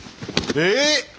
えっ！？